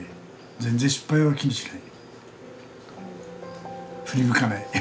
全然失敗は気にしない。